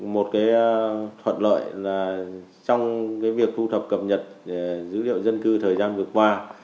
một cái thuận lợi là trong việc thu thập cập nhật dữ liệu dân cư thời gian vừa qua